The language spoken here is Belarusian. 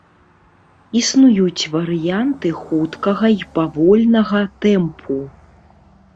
Існуюць варыянты хуткага і павольнага тэмпу.